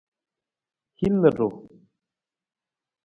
Hin ludu.